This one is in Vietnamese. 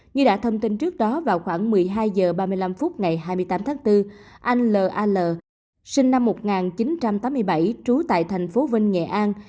như đã thông tin trước đó vào khoảng một mươi hai h ba mươi năm phút ngày hai mươi tám tháng bốn anh lal sinh năm một nghìn chín trăm tám mươi bảy trú tại thành phố vinh nghệ an